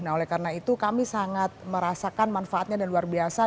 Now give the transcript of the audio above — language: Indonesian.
nah oleh karena itu kami sangat merasakan manfaatnya dan luar biasa